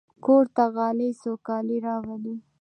کور ته غالۍ سوکالي راولي.